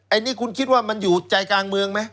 อันนี้คุณคิดว่ามันอยู่ใจกลางเมืองไหม